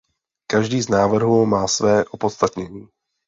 Každý z návrhů má své opodstatnění.